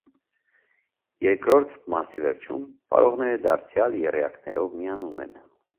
Երկրորդ մասի վերջում պարողները դարձյալ եռյակներով միանում են։